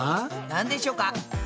なんでしょうか？